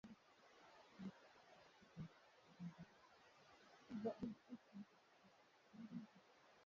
Pigo linalopenya moyoni kama kichomi